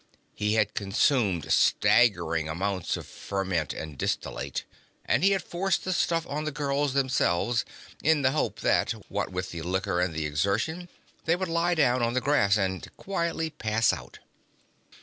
He had consumed staggering amounts of ferment and distillate, and he had forced the stuff on the girls themselves, in the hope that, what with the liquor and the exertion, they would lie down on the grass and quietly pass out.